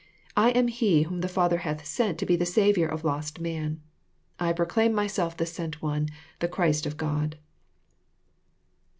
I am He whom the Father hath sent to be the Saviour of lost man. I proclaim myself the Sent One, — the Christ of God."